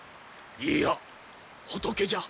いいや仏じゃ。